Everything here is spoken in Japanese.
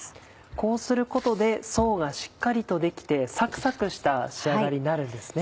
こうすることで層がしっかりとできてサクサクした仕上がりになるんですね。